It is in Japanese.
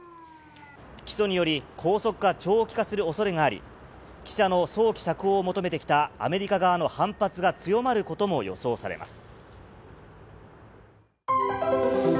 起訴により、拘束が長期化するおそれがあり、記者の早期釈放を求めてきたアメリカ側の反発が強まることも予想されます。